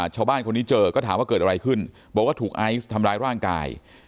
ชาวบ้านคนนี้เจอก็ถามว่าเกิดอะไรขึ้นบอกว่าถูกไอซ์ทำร้ายร่างกาย